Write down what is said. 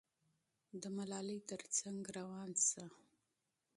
د ملالۍ تر څنګ روان شه.